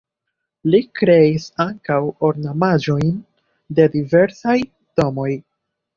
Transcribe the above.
Li kreis ankaŭ ornamaĵojn de diversaj domoj.